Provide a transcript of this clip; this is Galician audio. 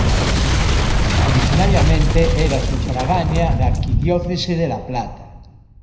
Orixinariamente era sufragánea da arquidiocese de La Plata.